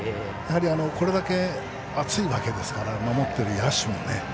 これだけ暑いわけですから守っている野手は。